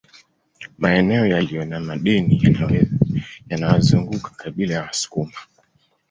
Maeneo yaliyo na madini yanawazunguka kabila la Wasukuma